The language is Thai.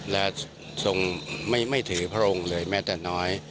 และทรงไม่ถือพระองค์เลยแม้แต่น้อย